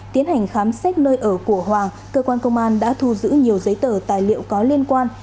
tiến hành khám xét nơi ở của hoàng cơ quan công an đã thu giữ nhiều giấy tờ tài liệu có liên quan